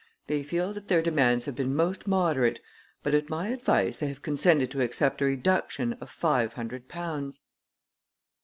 They feel that their demands have been most moderate, but at my advice they have consented to accept a reduction of five hundred pounds."